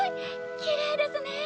きれいですね。